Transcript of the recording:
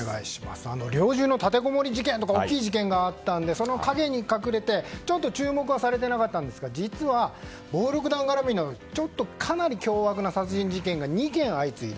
猟銃の立てこもり事件とか大きい事件があったのでその陰に隠れてちょっと注目されてなかったんですが実は暴力団絡みのかなり凶悪な殺人事件が２件相次いだ。